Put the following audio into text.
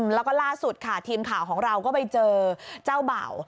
แล้วก็ล่าสุดค่ะทีมข่าวของเราก็ไปเจอเจ้าเบ่า